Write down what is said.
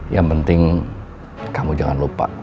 yang penting kamu jangan lupa